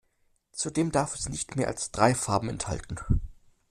Zudem darf es nicht mehr als drei Farben enthalten.